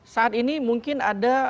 saat ini mungkin ada